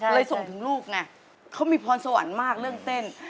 ส่งถึงลูกไงเขามีพรสวรรค์มากเรื่องเต้น